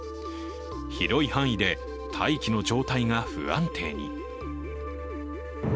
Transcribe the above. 広い範囲で大気の状態が不安定に。